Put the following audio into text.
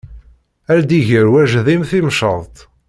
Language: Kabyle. Ar d-iger wajdim timceḍt.